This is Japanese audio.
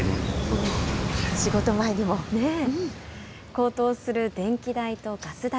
高騰する電気代とガス代。